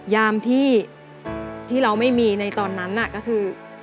ยามที่เราไม่มีในตอนนั้นก็คือ